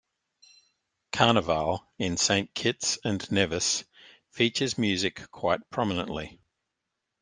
Carnival in Saint Kitts and Nevis features music quite prominently.